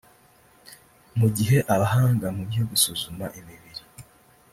mu gihe abahanga mu byo gusuzuma imibiri